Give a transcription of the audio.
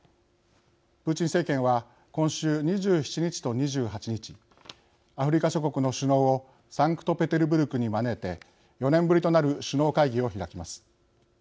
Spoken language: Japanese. プーチン政権は今週２７日と２８日アフリカ諸国の首脳をサンクトペテルブルクに招いて４年ぶりとなる首脳会議を開きます。